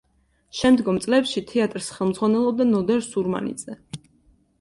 შემდგომ წლებში თეატრს ხელმძღვანელობდა ნოდარ სურმანიძე.